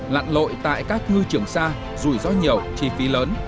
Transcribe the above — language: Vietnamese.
lặn lội tại các ngư trường xa rủi ro nhiều chi phí lớn